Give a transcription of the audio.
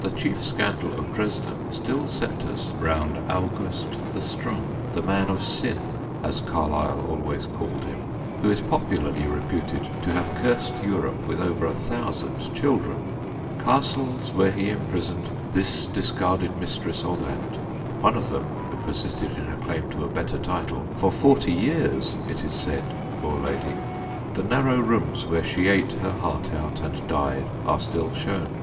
The chief scandal of Dresden still centres round August the Strong, "the Man of Sin," as Carlyle always called him, who is popularly reputed to have cursed Europe with over a thousand children. Castles where he imprisoned this discarded mistress or that one of them, who persisted in her claim to a better title, for forty years, it is said, poor lady! The narrow rooms where she ate her heart out and died are still shown.